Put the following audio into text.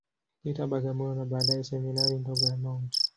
Peter, Bagamoyo, na baadaye Seminari ndogo ya Mt.